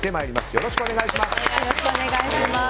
よろしくお願いします。